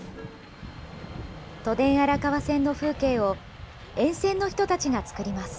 都電荒川線の風景を、沿線の人たちが作ります。